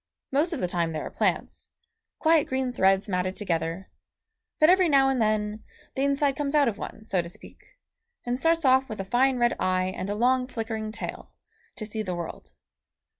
Most of the time they are plants, quiet green threads matted together, but every now and then the inside comes out of one, so to speak, and starts off with a fine red eye and a long flickering tail, to see the world.